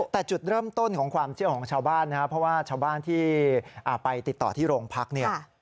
แต่จุดเริ่มต้นของความเชื่อของชาวบ้านนะครับเพราะว่าชาวบ้านที่ไปติดต่อที่โรงพักเนี่ย